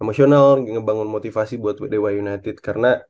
emosional ngebangun motivasi buat dewa united karena